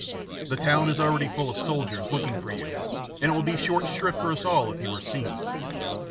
The town is already full of soldiers looking for you, and it will be short shrift for us all if you are seen."